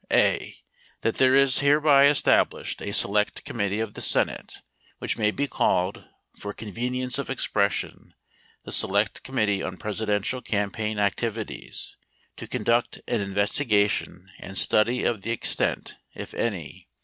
(a) That there is hereby established a 3 select commitiee of the Senate, which may be called, for 4 convenience of expression, the Select Committee on Presi 5 dential Campaign Activities, to conduct an investigation and 6 study of the extent, if any, to.